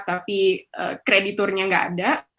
tapi krediturnya tidak ada